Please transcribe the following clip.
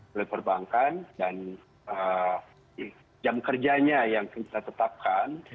oleh perbankan dan jam kerjanya yang kita tetapkan